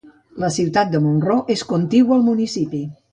La ciutat de Monroe és contigua al municipi.